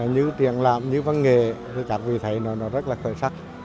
như truyền làm như văn nghề các vị thầy rất khởi sắc